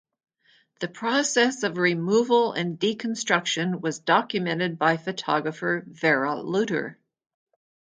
The process of removal and deconstruction was documented by photographer Vera Lutter.